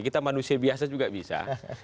kita manusia biasa juga bisa